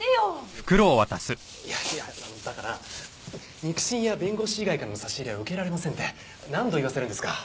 いやいやだから肉親や弁護士以外からの差し入れは受けられませんって何度言わせるんですか？